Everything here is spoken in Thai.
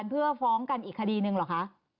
เพื่อฟ้องกันอีกคดีหนึ่งเหรอคะ